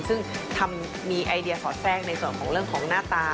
ซึ่งทำมีไอเดียสอดแทรกในส่วนของเรื่องของหน้าตา